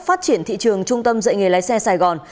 phát triển thị trường trung tâm dạy nghề lái xe sài gòn